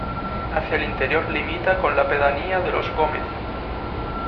Hacia el interior limita con la pedanía de Los Gómez.